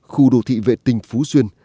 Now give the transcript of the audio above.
khu đô thị vệ tinh phú xuyên